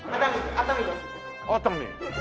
熱海。